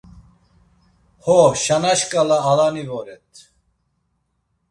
Ho, Şana şǩala alani voret.